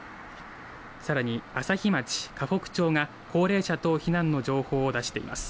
さらに朝日町、河北町が高齢者等避難の情報を出しています。